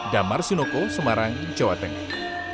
damar sinoko semarang jawa tengah